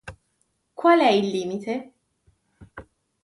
Qual è il limite?